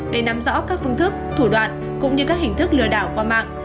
để nắm rõ các phương thức thủ đoạn cũng như các hình thức lừa đảo qua mạng